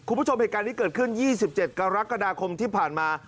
คุณผู้ชมเหตุการณ์นี้เกิดขึ้น๒๗กรกฎาคมที่ผ่านมา